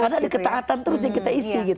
karena ada ketaatan terus yang kita isi gitu